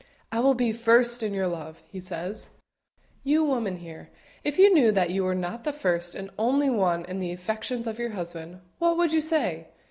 "I will be first in your love," He says. You women here, if you knew that you were not the first and only one in the affections of your husband, what would you say?